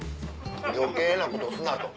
余計なことすなと。